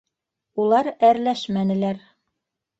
Улар әрләшмәнеләр.